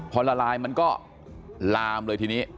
พอละลายมันก็ลามเลยทีนี้